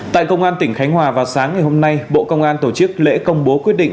tại công an tỉnh khánh hòa vào sáng ngày hôm nay bộ công an tổ chức lễ công bố quyết định